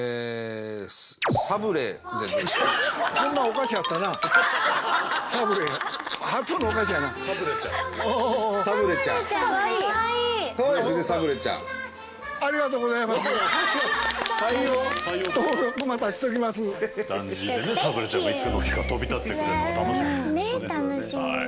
サブレちゃんがいつの日か飛び立ってくれるのが楽しみですね。